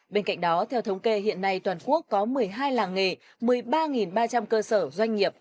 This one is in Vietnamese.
bên cạnh đó theo thống kê hiện nay toàn quốc có một mươi hai làng nghề một mươi ba ba trăm linh cơ sở doanh nghiệp